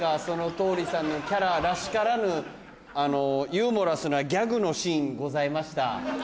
その桃李さんのキャラらしからぬユーモラスなギャグのシーンございました。